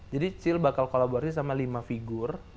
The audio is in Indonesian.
jadi cil bakal kolaborasi sama lima figur